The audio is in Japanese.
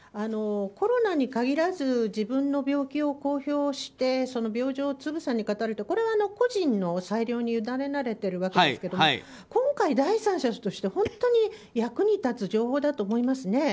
コロナに限らず自分の病気を公表してその病状をつぶさに語るというのはこれは個人の裁量にゆだねられているわけですけど今回は本当に役に立つ情報だと思います。